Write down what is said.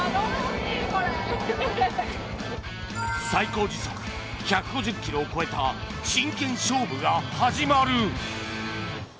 最高時速１５０ｋｍを超えた真剣勝負が始まる。